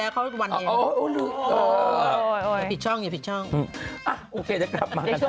อ่ะโอเคนี่กรับมากันกันครับอืมเดี๋ยวช่วงหน้ามาบอกว่าใครบ้าง